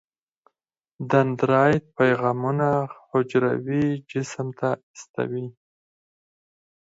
دندرایت پیغامونه حجروي جسم ته استوي.